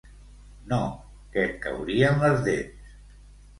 No, que et caurien les dents.